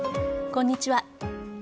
こんにちは。